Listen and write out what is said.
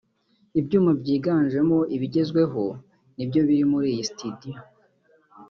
Ibyuma byiganjemo ibigezweho ni byo biri muri iyi studio